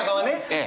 ええ。